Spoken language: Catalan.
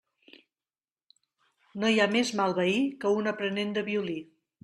No hi ha més mal veí que un aprenent de violí.